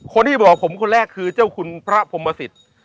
คนที่บอกผมคนแรกคือเจ้าคุณพระพรหมสิต